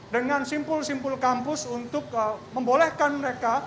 dengan simpul simpul kampus untuk membolehkan mereka